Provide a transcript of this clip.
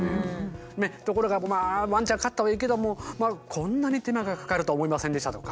ところがワンちゃん飼ったはいいけども「こんなに手間がかかるとは思いませんでした」とか